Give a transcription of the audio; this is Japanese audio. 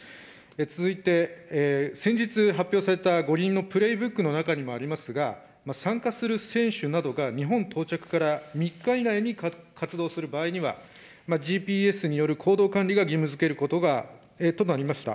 続いて、先日発表された五輪のプレーブックの中にもありますが、参加する選手などが日本到着から３日以内に活動する場合には、ＧＰＳによる行動管理が義務づけるとありました。